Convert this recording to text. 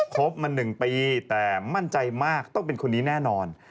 บมา๑ปีแต่มั่นใจมากต้องเป็นคนนี้แน่นอน